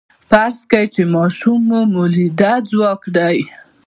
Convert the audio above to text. فرض کړئ چې ماشوم مؤلده ځواک دی.